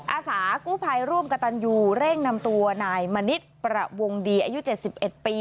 อาสากู้ภัยร่วมกับตันยูเร่งนำตัวนายมณิษฐ์ประวงดีอายุ๗๑ปี